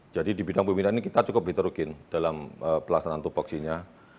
jadi di bidang pembinaan ini kita cukup berterugin dalam pelaksanaan tupuksinya